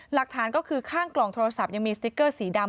หลักฐานก็คือข้างกล่องโทรศัพท์ยังมีสติ๊กเกอร์สีดำ